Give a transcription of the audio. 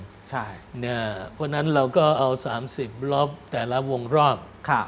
เพราะฉะนั้นเราก็เอา๓๐รอบแต่ละวงรอบ